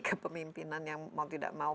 kepemimpinan yang mau tidak mau